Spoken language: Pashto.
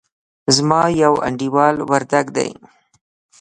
زما يو انډيوال وردګ دئ.